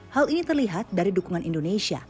hal ini terlihat dari dukungan indonesia